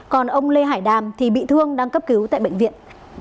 còn ông lê hải đàm thì bị thương đang cấp cứu tại bệnh viện